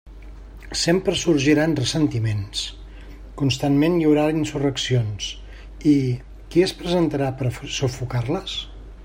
Sempre sorgiran ressentiments; constantment hi haurà insurreccions; i ¿qui es presentarà per a sufocar-les?